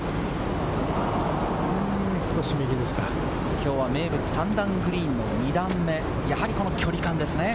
きょうは名物３段グリーンの２段目、やはり距離感ですね。